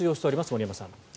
森山さん。